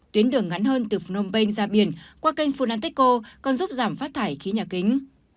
tuyến đường ngắn hơn từ phnom penh ra biển qua kênh funanteco còn giúp giảm phát thải khí nhà kính